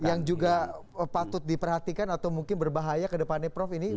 yang juga patut diperhatikan atau mungkin berbahaya ke depannya prof